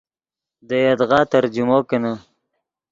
دے یدغا ترجمو کینے